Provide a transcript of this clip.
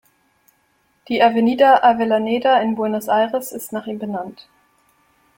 Die Avenida Avellaneda in Buenos Aires ist nach ihm benannt.